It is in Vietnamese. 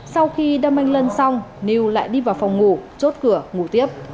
sau khi đâm anh lân xong lưu lại đi vào phòng ngủ chốt cửa ngủ tiếp